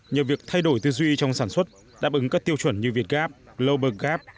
nhờ việc thay đổi tư duy trong sản xuất đáp ứng các tiêu chuẩn như việt gap global gap